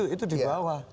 itu di bawah